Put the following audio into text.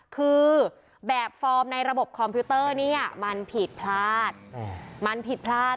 คือแบบฟอร์มในระบบคอมพิวเตอร์เนี่ยมันผิดพลาดมันผิดพลาด